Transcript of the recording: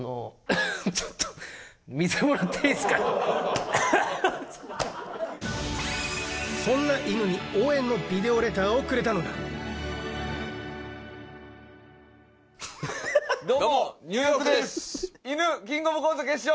ちょっとそんないぬに応援のビデオレターをくれたのがどうもニューヨークですいぬキングオブコント決勝